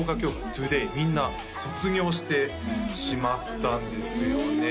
トゥデイみんな卒業してしまったんですよね